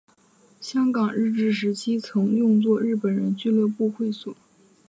香港日治时期曾用作日本人俱乐部会所。